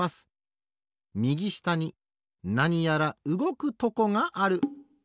みぎしたになにやらうごくとこがある。